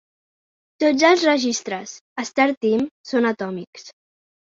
Tots els registres a StarTeam són atòmics.